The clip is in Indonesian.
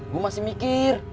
gua masih mikir